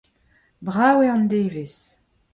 Brav eo an devezh.